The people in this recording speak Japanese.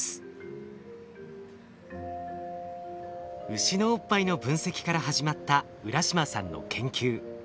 ウシのおっぱいの分析から始まった浦島さんの研究。